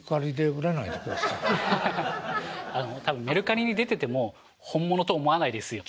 多分メルカリに出てても本物と思わないですよ。